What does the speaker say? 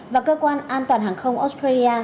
và cơ quan an toàn hàng không australia